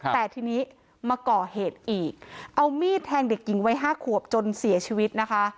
แต่ทีนี้มาก่อเหตุอีกเอามีดแทงเด็กหญิงวัย๕ขวบจนเสียชีวิตนะคะ